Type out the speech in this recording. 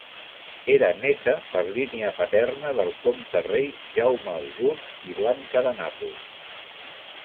Era néta per línia paterna del comte-rei Jaume el Just i Blanca de Nàpols.